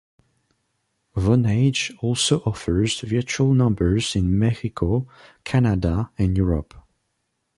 Vonage also offers virtual numbers in Mexico, Canada and Europe.